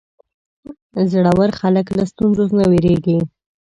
زړور خلک له ستونزو نه وېرېږي.